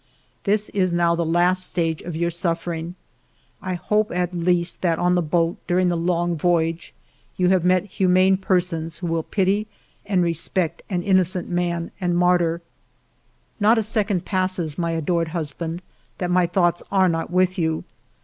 This is now the last stage of your suffer ing ; I hope at least that on the boat, during the long voyage, you have met humane persons who will pity and respect an innocent man and martyr. ..." Not a second passes, my adored husband, that my thoughts are not with you.